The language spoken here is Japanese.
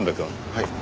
はい。